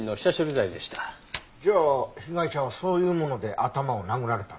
じゃあ被害者はそういうもので頭を殴られたの？